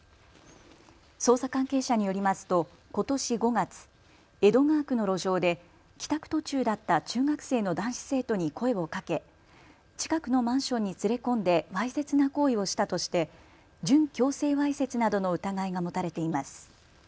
捜査関係者によりますとことし５月、江戸川区の路上で帰宅途中だった中学生の男子生徒に声をかけ近くのマンションに連れ込んでわいせつな行為をしたとして準強制わいせつなどの疑いが持たれています。